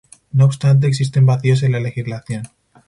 No obstante, existen vacíos en la legislación.